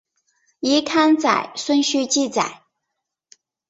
依刊载顺序记载。